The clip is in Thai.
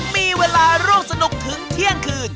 มีเวลาร่วมสนุกถึงเที่ยงคืน